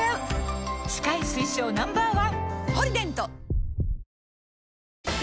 歯科医推奨 Ｎｏ．１！